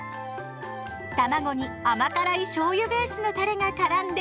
たまごに甘辛いしょうゆベースのたれがからんでたまりません！